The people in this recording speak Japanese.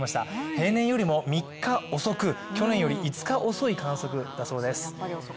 平年よりも３日遅く、去年よりも５日遅い観測です。